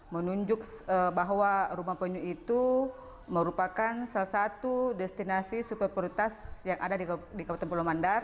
menunjuk bahwa rumah penyu itu merupakan salah satu destinasi super prioritas yang ada di kabupaten pulau mandar